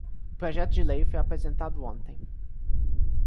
O projeto de lei foi apresentado ontem